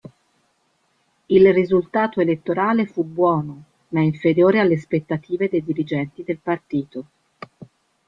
Il risultato elettorale fu buono ma inferiore alle aspettative dei dirigenti del partito.